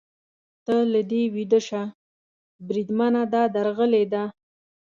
ته له دې ویده شه، بریدمنه، دا درغلي ده.